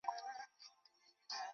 顺天府乡试第一百名。